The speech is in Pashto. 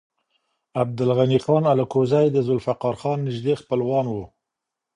عبدالغني خان الکوزی د ذوالفقار خان نږدې خپلوان و.